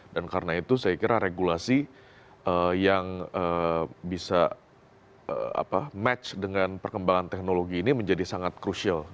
dan karena itu saya kira regulasi yang bisa match dengan perkembangan teknologi ini menjadi sangat krusial